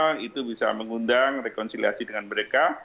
karena itu bisa mengundang rekonsiliasi dengan mereka